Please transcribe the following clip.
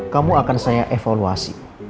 kamu akan saya evaluasi